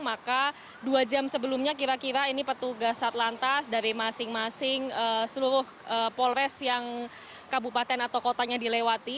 maka dua jam sebelumnya kira kira ini petugas atlantas dari masing masing seluruh polres yang kabupaten atau kotanya dilewati